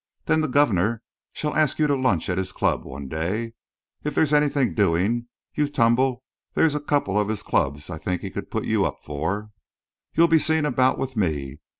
Then the governor shall ask you to lunch at his club one day, and if there's anything doing, you tumble, there are a couple of his clubs I think he could put you up for. You'll be seen about with me.